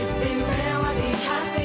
istimewa di hati